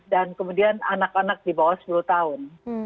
dan kemudian anak anak di bawah sepuluh tahun